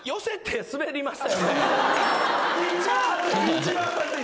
一番恥ずい。